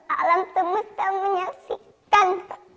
alam semesta menyaksikan